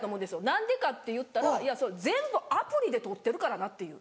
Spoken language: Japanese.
何でかっていったら全部アプリで撮ってるからなっていう。